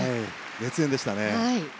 熱演でしたね。